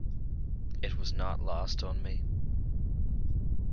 It was not lost on me.